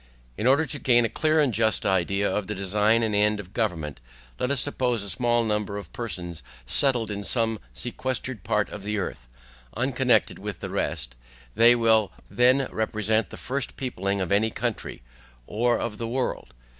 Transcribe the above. In order to gain a clear and just idea of the design and end of government, let us suppose a small number of persons settled in some sequestered part of the earth, unconnected with the rest, they will then represent the first peopling of any country, or of the world.